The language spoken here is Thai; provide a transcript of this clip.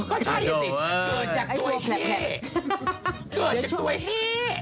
ก็ใช่โอ้เออเกิดจากตัวแฮเกิดจากตัวแฮ